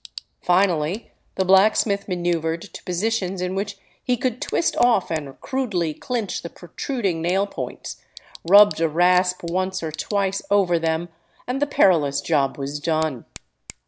Finally the blacksmith manoevered to positions in which he could twist off and crudely clinch the protruding nail points, rubbed a rasp once or twice over them, and the perilous job was done.